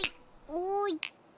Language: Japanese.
おい！